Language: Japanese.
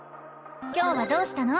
今日はどうしたの？